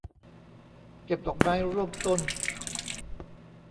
เก็บดอกไม้ร่วมต้น